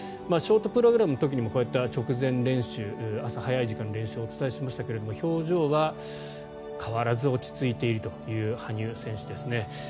ショートプログラムの時もこういった直前練習朝早い時間の練習をお伝えしましたけど表情は変わらず落ち着いているという羽生選手ですね。